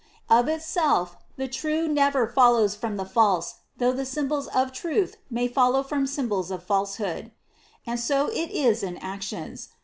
Of itself the true never follows from the false, though symbols of truth may follow from symbols of laTsehood.' And so it is in actions.